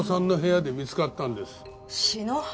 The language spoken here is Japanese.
篠原。